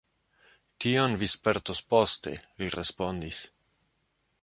Tion vi spertos poste, li respondis.